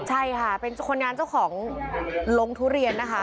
ใช่ค่ะเป็นคนงานเจ้าของลงทุเรียนนะคะ